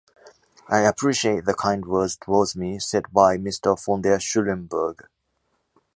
I appreciate the kind words towards me said by Mr. von der Schulenburg.